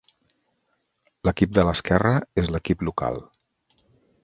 L'equip de l'esquerra és l'equip local.